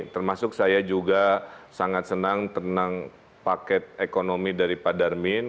termasuk saya juga sangat senang tenang paket ekonomi dari pak darmin